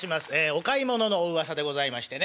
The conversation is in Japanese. お買い物のおうわさでございましてね。